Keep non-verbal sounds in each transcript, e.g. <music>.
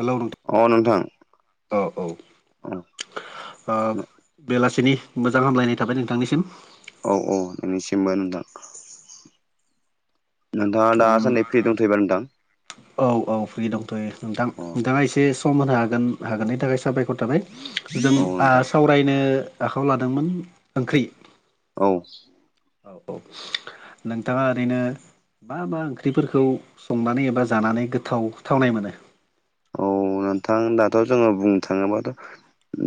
देलाव नोंथां अ नोंथां औ औ ओ बेलासिनि मोजां हामलायनाय थाबाय नोंथांनिसिम औ औ नोंनिसिमबो नोंथां नोंथाङा दासान्दि फ्रि दंथ'योबा नोंथां अ औ औ फ्रि दंथ'यो नोंथां अ नोंथाङा एसे सम होनो हागोन हागोननि थाखाय साबायखर थाबाय जों औ ओ नोंथां सावरायनो आखायाव लादोंमोन ओंख्रि औ औ औ नोंथाङा ओरैनो मा मा ओंख्रिफोरखौ संनानै एबा जानानै गोथाव थावनाय मोनो? औ नोंथां दाथ' जोङो बुंनो थाङोबाथ'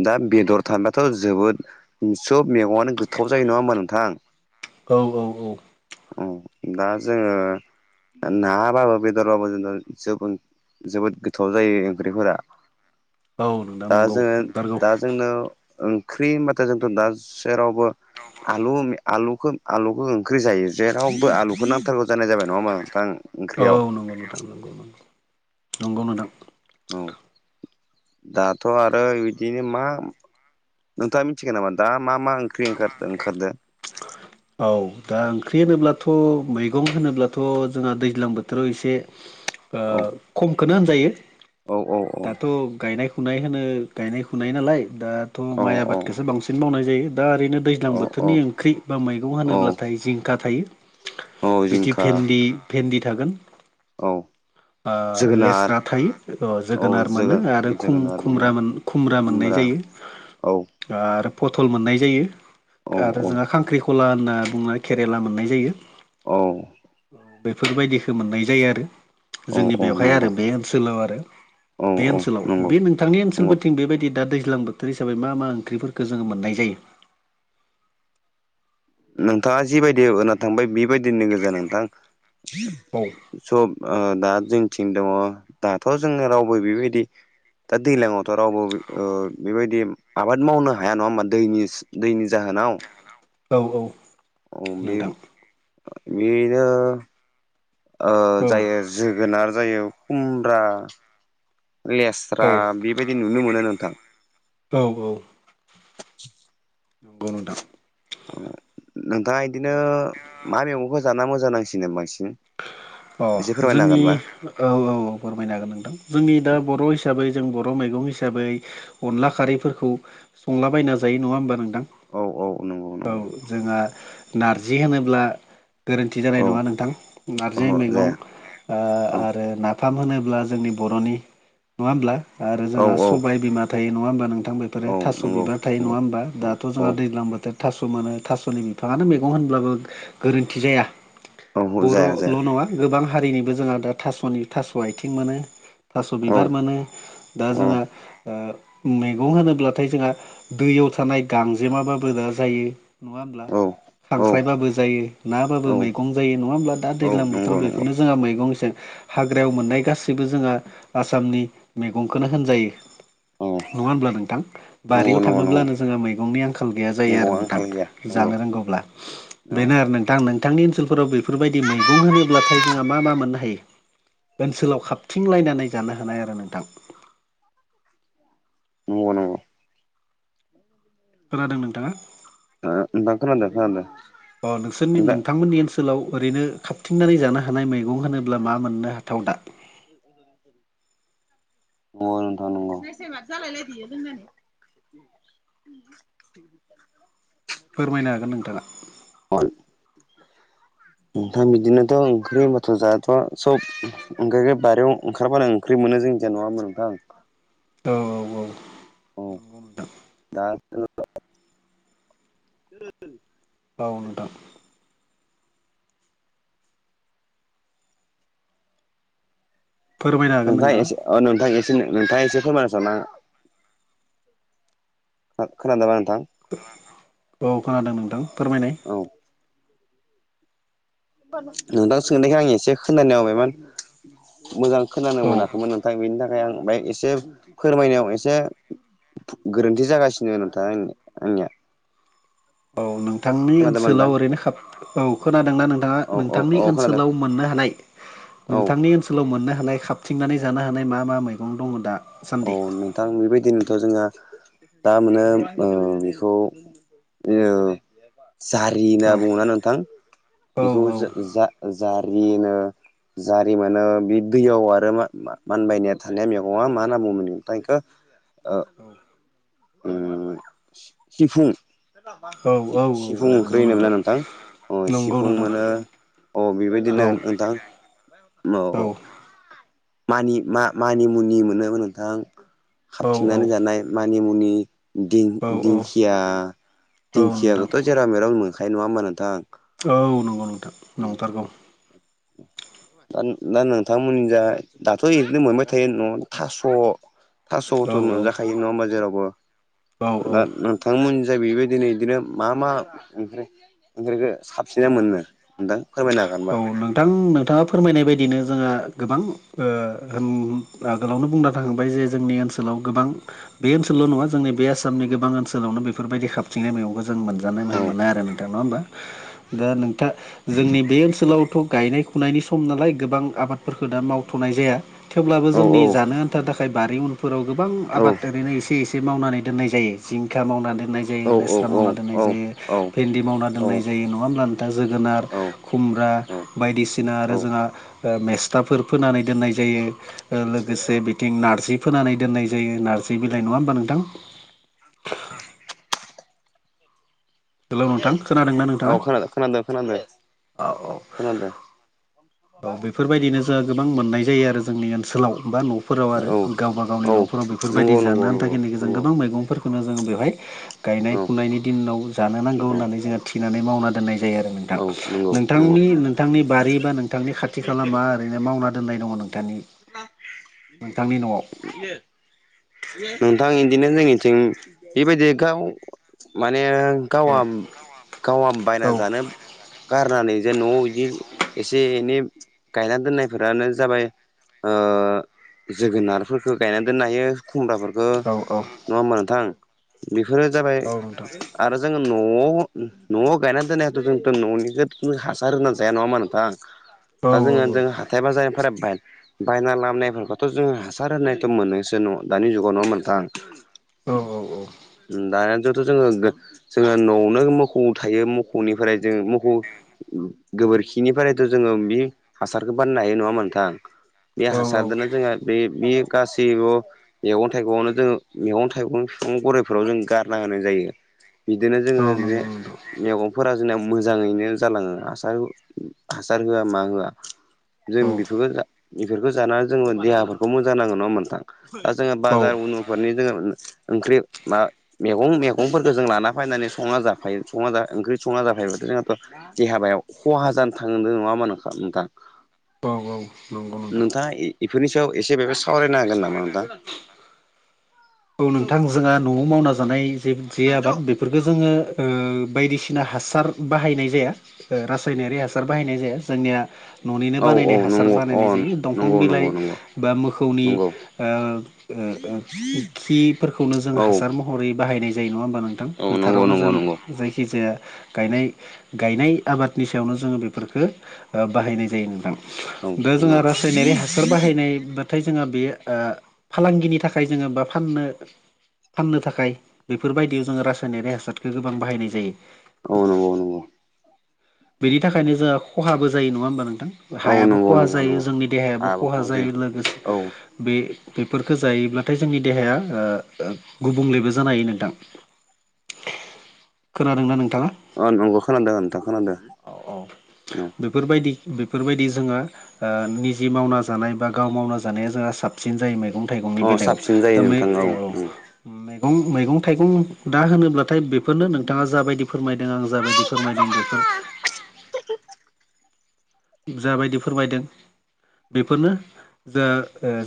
दा बेदर थाबाथ' जोबोद सब मेगंङानो गोथाव जायो नङा होमबा नोंथां औ औ औ अ दा जोङो नाबाबो बेदरबाबो जों ज जोबोद गोथाव जायो ओंख्रिफोरा औ नोंथां दा नंगौ जोङो नंथारगौ दा जोंनो ओंख्रि होनबथाय जोंथ' दा जेरावबो आलु आलुखौ आलुखौ ओंख्रि जायो जेरावबो आलुखौ नांथारगौ जानाय जाबाय नङा मा नोंथां औ ओंख्रियाव नंगौ नोंथां नंगौ नोंथां औ दाथ' आरो बिदिनो मा नोंथाङा मिथिगोन नामा दा मा मा ओं फख्रि ओं ओंखारो औ औ दा ओंख्रि होनोब्लाथ' मैगं होनोब्लाथ' जोंहा दैज्लां बोथोराव एसे औ खमखौनो होनजायो औ औ औ दाथ' गायनायखौ फुनाय होनो गायनाय फुनाय नालाय दाथ' औ माइ औ आबादखौसो बांसिन मावनाय जायो दा ओरैनो दै दैज्लां औ बोथोरनि ओंख्रि बा मैगं औ हानोब्लाथाय जिंखा थायो औ बिदि जिंखा भेन्दि भेन्दि थागोन औ जोगोनार लेस्रा थायो औ जोगोनार जोगो मोनो आरो खुम जोगोनार खुम मोनो खुमब्रा मोननाय जायो औ आरो पथल मोननाय जायो औ आरो औ जोंहा खांख्रि कला होनना बुंना केरेला मोननाय जायो औ औ बेफोरबायदिखौ मोननाय जायो आरो औ जोंनि औ बेवहाय नंगौ आरो बे ओनसोलाव आरो औ बे औ ओनसोलाव नंगौ बे नोंथांनि नंगौ ओनसोलफोरथिं बेबायदि दा दैज्लांबो बोथोर हिसाबै मा मा ओंख्रिफोरफोरखौ जोङो मोननाय जायो नोंथाङा जिबायदि होना थांबाय बेबायदिनो गोजा नोंथां सब दा जोंथिं दङ दाथ' जोंङो रावबो बेबायदि दा दैज्लाङावथ' रावबो बेबायदि आबाद मावनो हाया नङा होमबा दैनि दैनि जाहोनाव औ औ अ बे नोंथां बेनो औ जायो जोगोनार जायो खुमब्रा लेस्रा औ बेबायदि नुनो मोनो नोंथां औ औ नंगौ नोंथां नोंथाङा बिदिनो मा मैगंखौ जाना मोजां नांसिगोन बांसिन अ एसे फोरमायनो जोंनि हागोनबा औ औ औ फोरमायनो हागोन नोंथां जोंनि दा बर' हिसाबै जों बर' मैगं हिसाबै अनला खारैफोरखौ संलाबायायना जायो नङा होमबा नोंदां औ औ नंगौ नंगौ जोङहा नारजि होनोब्ला गोरोन्थि जानाय औ नङा नोंथां नारजि ओहो मैगं जाया औ आरो नाफाम होनोब्ला जोंनि बर'नि नङा होमब्ला आरो औ जोंहा औ सबाय बिमा थायो नङा होमबा नोंथां बेफोरो औ थास' नंगौ बिबार थायो नंगौ नङा होमबा दा दाथ' औ औ जोंहा दैज्लां बोथायोर थास' मोनो थास'नि बिफाङानो मैगं होनब्लाबो गोरोन्थि जाया औ औ जाया बर'ल जाया नंआ गोबां हारिनिबो जोंहा दा थास'नि थास' आथिं मोनो थास' औ बिबार मोनो दा औ जोहा मैगं होनोब्लाथाय जोंहा दैयाव थानाय गांजेमाबाबो दा जायो नङा होमब्ला औ औ खांख्राइबाबो जायो नाबाबो औ मैगं जायो नङा होमब्ला दा औ दैज्लां नंगौ बोथोराव नंगौ बेफोरनो जोंहा मैगंजों हाग्रायाव मोननाय गासैबो जोंहा आसामनि मैगंखौनो होनजायो औ नङा होनब्ला नोंथां नंगौ बारियाव नंगौ नंगौ थाङोब्लानो जोंहा मैगंनि आंखाल गैया ज जायो आरो मैगङा नोंथां आंखाल गैया नंगौ जानो औ रोंगौब्ला बेनो नोंथां नोंथांनि ओनसोलफोराव बेफोरबायदि मैगं होनोब्लाथाय जोंहा मा मा मोननो हायो? ओनसोलाव खाबथिं लायनानै जानो हानाय आरो नोंथां नग नङ <unintelligible> खोनादों नोंथाङा ओ नोंथां खोनादों खोनादों अ नोंसोरनि नोंथां नोंथांमोननि ओनसोलाव ओरैनो खााबथिंनानै जानो हानाय मैगं होनोब्ला मा मोननो हाथाव दा औ <unintelligible> <inaudible> <unintelligible> फोरमायनो हागोन नोंथाङा ओंखाम बिदिनोथ' ओंख्रि बाथ' जायाथ'ा सब ओंखायनो बारियाव ओंखारबानो ओंख्रि मोनो जोंनिथि नंआबा नोंथां औ <unintelligible> औ दा <unintelligible> औ नोंथां फोरमायनो हागोन नोंथाङा एसे अ नोंथां एसे नोंथाङा एसे फोरमायानसावनाङा ओ खोनादोंना नोंथां औ खोनादों नोंथां फोरमायनाय औ नोंथां सोंनायखाय आं एसे खोनानोबायमोन मोजां खोनानो औ मोनाखैमोन नाथाय बेनि थाखाय आं बेाय एसे फोरमायनायाव एसे गोरोन्थि जागासिनो नोंथा आंनिया औ नोंथांनि खोनादोंमोन ओनसोलाव नोंथां ओरैनो खााब औ खोनादोंना नोंथाङा औ औ नोंथांनि औ खोनादों ओनसोलाव मोननो हानाय औ नोंथांनि ओनसोल सखोलाव मोननो हानाय खाबथिंनानै जानो हानाय मा मा मैगं दङ दा औ नोंथां बेबायदिनोथ' जोङो दारमाने ओ बेखौ जों जारि औ होनना बुङो ना नोंथां बेखौ जों जा जारिनो जारि मोनो बे दैयाव आरो मा मानबायनाया थानाया मैगङा मा <unintelligible> ओम सिफुं। औ औ औ सिफुं ओंख्रि नंगौ होनोमोना नोंथां अ नंगौ सिफुं नोंथां मोनो। अ औ बेबायदिनो नोंथां औ। मानि मा मानिमुनि मोनो नोंथां खाबथिंनानै औ जानाय मानिमुनि। औ दिंदिंखिया नोंथां दिंखियाखौथ' जेरा मेरावनो मोनखायो नङा होमबा नोंथां औ नंगौ नोंथां नंथारगौ। दा दा नोंथांमोननि जा दाथ' ओरैनो मोनबाय थायो न'आवनो थास'। औ थास'थ' मोनजाखायो नङा होमा जेरावबो औ दा औ ओ। नोंथांमोन जे बेबायदि बिदिनो मा मा ओंख्रि ओंख्रिखौ साबसिना मोनो नोंथां। फोरमायनो हागोनबा औ नोंथां नोंथाङा फोरमायनाय बायदिनो जोंयो गोबां ओ ओम गोलावयैनो बूंना गालांबाय जे जोंनि ओन गोलाव गोबां बे ओनसोलल' नङा जोंनि बे आसामनि गोबां ओनसोलावनो बेफोरबायदि खा जोंनि गामियाव गोजान मोनजानाय औ आरो नोंथा नङा होमबा दा नोंथा। जोंनि बे ओनसोलावथ' गायनाय खुनायनि सम नालाय गोबां आबाद। फोरखो दा मावथ'नाय जाया थेवब्लाबो जोंनि औ औ जानो आन्था थाखाय बारि उन। फोराव गोबां औ आबादारि एसे एसे मावनानै दोननाय जायो जिंखा मावना दोननाय जे औ औ औ लेस्रा मावना दोननाय जायो भेन्दि मावना दोननाय जायो नङा होमबा नोंथां जोगोनार। औ खुमब्रा बायदिसिना औ आरो जोंहा ओ मेस्थाफोर फोनानै दोननाय जायो ओ लोगोसे बिथिं नारजि फोनानै दोननाय जायो नारजि बिलाइ नङा होमबा नोंथां? ओ। हेलौ नोंथां खोनादोंना औ नोंथाङा खोना खोनादों खोनादो। औ। खोना दो। औ बेफोरबायदिनो जोंहा गोबां मोननाय जायो आरो जोंनि ओनसोलाव बा न' फोराव औ आरो गावबा गावनि औ न'फोराव बेफोरबायदि नंगौ नंगौ जानो नंगौ आनथाखिनिखो जों नंगौ गोबां मैगंफोरखौनो जों बेवहाय औ गायनाय फुनायनि दिनाव जानो नांगौ औ होननानै जोंहा थिनानै मावना दोननाय जायो आरो नोंथां। औ नंगौ नंगौ। नोंथांनि नोंथांनि बारि बा नोंथांनि खाथि खाला मा ओरैनो मावना दोननाय दङ' नोंथांनि नोंथांनि न'आव। <inaudible> नोंथां इदिनो जोंनिथिं बेबायदि गाव माने औ गावहा गावहा बायना औ जानो गारनानै जे न'आव इदि एसे एनै गायना दोननायफोरानो जाबाय ओ जोगोनारफोरखो गायना दोननो हायो। खुमब्राफोरखो औ नङा होमबा नोंथां बेफोरो जाबाय औ नोंथां आरो जोङो न' न'आव गायना दोननायाथ' जोंथ' न'निखौ हासार होना जाया नङा होमबा नोंथां? औ दा जोङो जों हा जायबा जायफोराबेल बायना लामनायफोरखौथ' जोंङो हासार होनायथ' मोनोसो न दानि जुगाव नङा होमबा नोंथां? औ औ औ। दानियाथ' जोङो जोङो न'आवनो मखौ थायो म खौनिफ्राय जोंडों मखौ गोबोरखिनिफ्रायथ' जोङो बे हासारखो बानायनो हायो नङा होमबा नोंथां बे हासारखौनो जोङो बे बि गासैब' मैगं थाइगंआवनो जोङो मैगं थाइगं बिफां गराइफोराव जों गारना होनाय जायो। बिदिनो जोङो जे नंगौ नोंथां मेगंफोरा जोंना मोजाङैनो जालाङो हासार ओम हासार होआ मा होआ। जों बेफोरखो बेफोरखो जानानै जोङो देहाफोरखौ मोजां नाडों नङा होमबा नोंथां? दा जोङो औ बाजार उनुफोरनि जोङो ओंख्रि मा मेगं मेगंफोरखौ जों लाना फैनानै संना जाफायो संना जा ओंख्रि संना जाफायोबाथ' जोंहाथ' देहाबायाव खहा जानो थांदों नङा होनबा नोंथां? औ औ नंगौ नोंथां नोंथाङा इ-इफोरनि सायाव एसे बाबो सावरायनो हागोन नामा नोंथां? औ नोंथां जोंहा न'आव मावना जानाय जे जे आबाद बे फोरखो जोङो ओ बायदिसिना हासार बाहायनाय जाया। ओ रासायनारि हासार बाहायनाय जाया जोंनिया न'निनो औ औ बानायनाय हासार नंगौ अ बानायनाय जायो दंफां नंगौ बिलाइ नंगौ नंगौ बा मो इ नंगौ ओ ओ खिफोरखौनो जोङो औ हासार महरै बाहायनाय जायो नङा होमबा नोंथां औ नंगौ फोथारावनो जा नंगौ नंगौ जायखि जाया गायनाय गायनाय आबादनि सायावनो जोङो बेफोरखो ओ बाहायनाय जायो नोंदां। औ दा जोंहा नंगौ रासायनारि हासार बाहायनाय बा थाय जोंहा बे ओ फालांगिनि थाखाय जोङो बा फाननो फाननो थाखाय बेफोरबायदियाव जोङो रासायनारि हासारखो गोबां बाहायनाय औ जायो। नंगौ नंगौ बेनि थाखायनो जोंहा खहाबो जायो नङा होमबा नोंथां? औ हायाबो नंगौ खहा नंगौ जायो नंगौ जोंनि देहायाबो खहा जायो लोगोसे औ बे बेफोरखो जायोब्लाथाय जोंनि देहाया ओ गुबुंलेबो जानो हायो नोंथां। खोनादोंना नोंथाङा? ओ नंगौ खोनादों नोंथां खोनादों औ। बेफोरबायदि बेफोरबायदि जोङो ओ निजे मावना जानाय बा गाव मावना जा जानाया जोंना साबसिन जायो मैगं थाइगंनि अ बेलायाव साबसिन जायो दा नोंथां औ मैगं मैगं थाइगं दा होनोब्लाथाय बेफोरनो नोंथाङा जाबायदि फोरमायदों आं जाबायदि फोरमायदों बेफोर <unintelligible> जाबायदि फोरमायदों बेफोरनो दा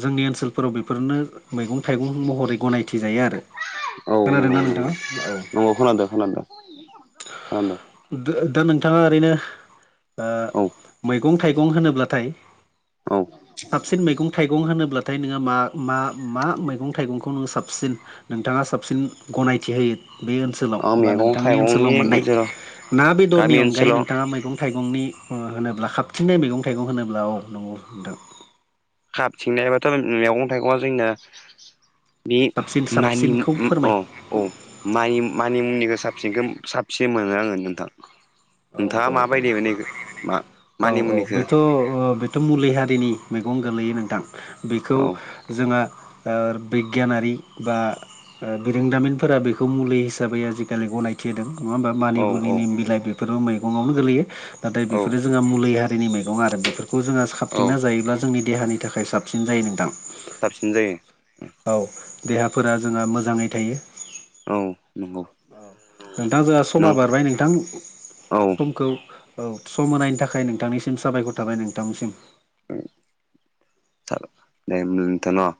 जोंनि ओनसोलफोराव बेफोरनो मैगं थाइगं महरै गनाय औ नंगौ नंगौ नंगौ खोनादों खोनादों। आ नो दा दा नोंथाङा ओरैनो ओ औ मैगं थाइगं होनोब्लाथाय औ साबसिन मैगं थाइगं होनोब्ला नाथाय नोङा मा मा मा मैगं थाइगंखौ नोङो साबसिन नोंथाङा साबसिन गनायथि होयो बे ओनसोल आं ओनसोलाव बा मैगं नोंथांनि ओनसोलाव थाइगंनि मोननाय गेजेराव ना बेदरनि गामि अनगायै ओनसोलाव नोंथाङा मैगं थाइगंनि ओ होनोब्ला खाबथिनै मैगं थाइगं होनोब्ला औ नंगौ नोंथां। खाब थिंनायबाथ' मैगं थाइगंआ जोंनिआ बे साबसिन मानि उम साबसिनखौ उम फोरमाय अ औ मानि मानि मुंनिखौ साबसिनखौ साबसिन मोनो आङो नोंथां। औ नोंथाङा औ औ माबायदि मोनो मा मानि मुनिखौ? थ' मुलि हारिनि मैगं गोलैयो नोंथां। बेखौ औ जोंहा ओ बिगियानारि बा ओ बिरोंदामिनफोरा बेखौ मुलि हिसाबै आजिखालि गनायो। खेदों नङा होमबा मानि औ बुनि औ बिलाइ बेफोरबो मैगंआवनो गोलैयो नाथाय औ बेफोरो जोंहा मुलि हारिनि मैगं आरो बेफोरखौ जोंओ औ साबथिंना जायोब्ला जोंनि देहानि थाखाय साबसिन जायो नोंथां। साबसिन जायो। औ देहाफोरा जोंहा मोजाङै थायो। औ नंगौ। औ नोंथां जोंहा समा नों बारबाय नोंथां औ समखौ औ सम होनायनि थाखाय नोंथांनिसिम साबायखर थाबाय नोंथांनिसिम। दे होंडा नोंथां न'